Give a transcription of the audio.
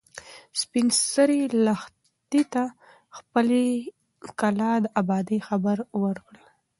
سپین سرې لښتې ته د خپلې کلا د ابادۍ خبر ورکړ.